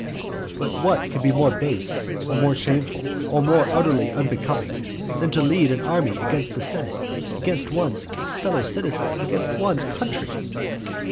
But what can be more base, or more shameful, or more utterly unbecoming, than to lead an army against the senate, against one's fellow citizens, against one's country?